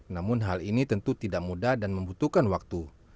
namun hal ini tentu tidak mudah dan membutuhkan waktu